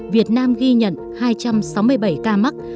việt nam ghi nhận hai trăm sáu mươi bảy ca mắc